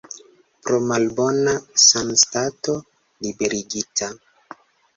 Pro malbona sanstato liberigita.